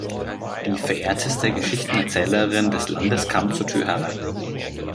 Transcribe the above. Die verehrteste Geschichtenerzählerin des Landes kam zur Tür herein.